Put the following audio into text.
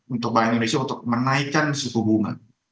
untuk bank indonesia untuk menaikkan suku bunga